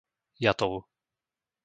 Jatov